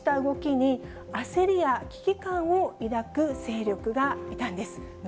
ただ、こうした動きに焦りや危機感を抱く勢力がいたんです。